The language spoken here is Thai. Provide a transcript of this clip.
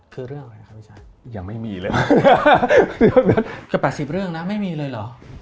คือเรื่องอะไรนะคะพี่ชายยังไม่มีเลยคือประสิทธิ์เรื่องนะไม่มีเลยเหรอ